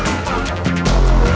muhammad na time